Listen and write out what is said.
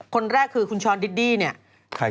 คนแรกคือคุณช้อนดิดดี้เนี่ย